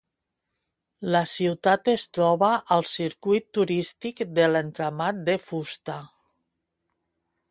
La ciutat es troba al circuit turístic de l'entramat de fusta.